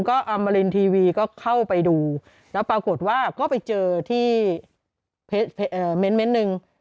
ก็อมรินทีวีก็เข้าไปดูแล้วปรากฏว่าก็ไปเจอที่เม้นต์หนึ่ง